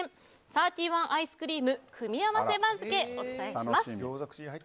サーティワンアイスクリーム組み合わせ番付をお伝えします。